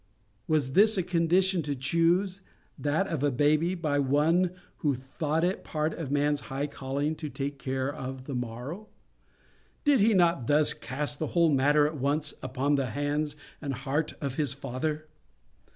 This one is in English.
Was this a condition to choose—that of a baby—by one who thought it part of a man's high calling to take care of the morrow? Did He not thus cast the whole matter at once upon the hands and heart of His Father?